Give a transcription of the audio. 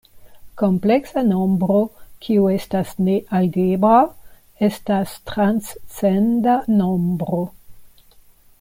Kompleksa nombro kiu estas ne algebra estas transcenda nombro.